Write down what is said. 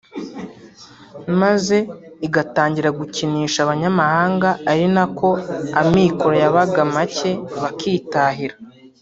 maze igatangira gukinisha abanyamahanga ari nako amikoro yabaga make bakitahira